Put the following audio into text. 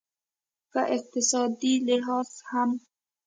په اقتصادي لحاظ هم